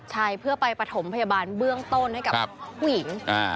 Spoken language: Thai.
ใช่เพื่อไปปฐมพยาบาลเบื้องต้นให้กับผู้หญิง